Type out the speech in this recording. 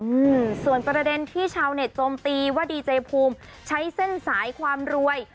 อืมส่วนประเด็นที่ชาวเน็ตโจมตีว่าดีเจภูมิใช้เส้นสายความรวย